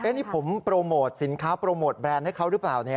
นี่ผมโปรโมทสินค้าโปรโมทแบรนด์ให้เขาหรือเปล่า